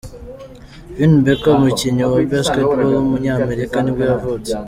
Vin Baker, umukinnyi wa basketball w’umunyamerika nibwo yavutse.